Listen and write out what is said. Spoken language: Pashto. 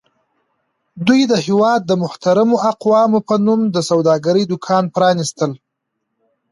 دوی د هېواد د محترمو اقوامو په نوم د سوداګرۍ دوکانونه پرانیستل.